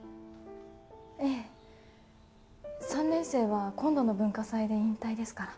えぇ３年生は今度の文化祭で引退ですから。